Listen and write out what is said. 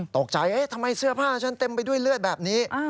ตกใจเอ๊ะทำไมเสื้อผ้าฉันเต็มไปด้วยเลือดแบบนี้